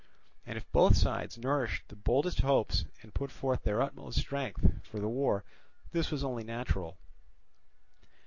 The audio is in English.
And if both sides nourished the boldest hopes and put forth their utmost strength for the war, this was only natural.